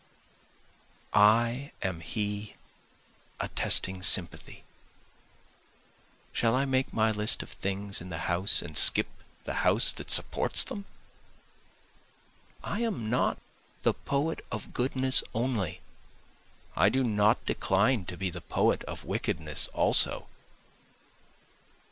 I am he attesting sympathy, (Shall I make my list of things in the house and skip the house that supports them?) I am not the poet of goodness only, I do not decline to be the poet of wickedness also.